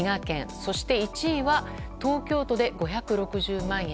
そして１位は東京都で５６０万円。